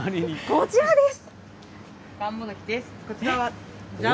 こちらです。